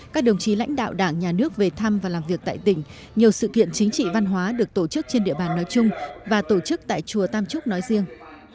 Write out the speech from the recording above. các đồng chí lãnh đạo đảng nhà nước về thăm và làm việc tại tỉnh nhiều sự kiện chính trị văn hóa được tổ chức trên địa bàn nói chung và tổ chức tại chùa tam trúc nói riêng